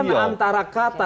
ini kan antara kata